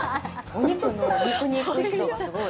お肉の肉々しさが、すごい。